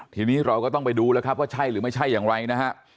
ทีนี้เราก็ต้องไปดูแล้วครับว่าใช่หรือไม่ใช่อย่างไรนะฮะ